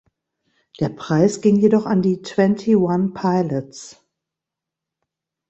Der Preis ging jedoch an die Twenty One Pilots.